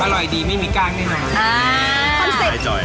อร่อยดีไม่มีกล้างด้วยหน่อย